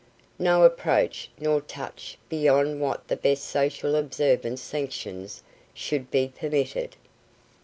No approach nor touch beyond what the best social observance sanctions should be permitted.